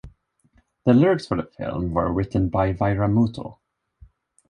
The lyrics for the film were written by Vairamuthu.